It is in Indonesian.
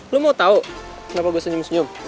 lo mau tau kenapa gue senyum senyum